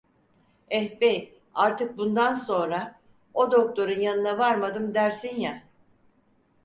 Eh, bey, artık bundan sonra o doktorun yanına varmadım dersin ya…